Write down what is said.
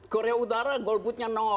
korea utara golputnya